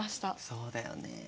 そうだよね。